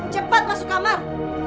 cepat masuk kamar